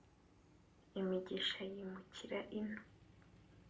imigisha yimukira ino.